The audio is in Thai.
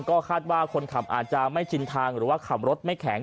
ก็คาดว่าคนขับอาจจะไม่ชินทางหรือว่าขับรถไม่แข็ง